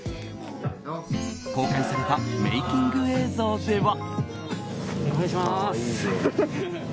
公開されたメイキング映像では。